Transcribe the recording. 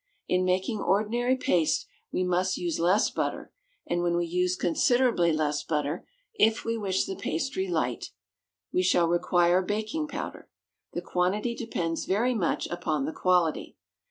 In making ordinary paste we must use less butter; and when we use considerably less butter, if we wish the pastry light, we shall require baking powder. The quantity depends very much upon the quality.